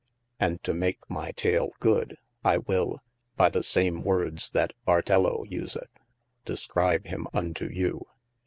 And to make my tale good, I will (by the same words that Bartello useth) discribe him unto you.